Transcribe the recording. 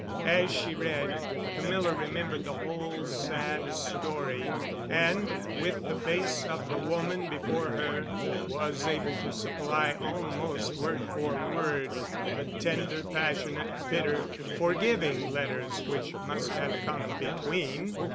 As she read, Camilla remembered the whole sad story, and, with the face of the woman before her, was able to supply almost word for word the tender, passionate, bitter, forgiving letters which must have come between.